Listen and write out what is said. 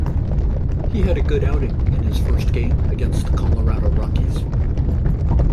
He had a good outing in his first game, against the Colorado Rockies.